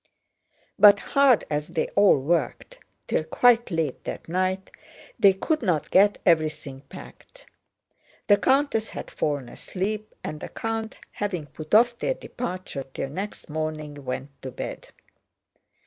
But hard as they all worked till quite late that night, they could not get everything packed. The countess had fallen asleep and the count, having put off their departure till next morning, went to bed.